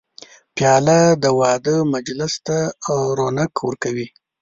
پیاله د واده مجلس ته رونق ورکوي.